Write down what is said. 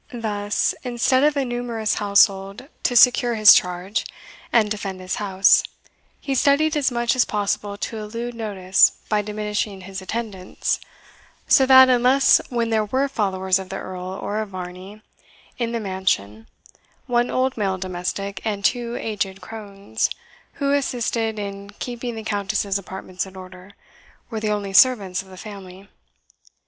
Thus, instead of a numerous household, to secure his charge, and defend his house, he studied as much as possible to elude notice by diminishing his attendants; so that, unless when there were followers of the Earl, or of Varney, in the mansion, one old male domestic, and two aged crones, who assisted in keeping the Countess's apartments in order, were the only servants of the family.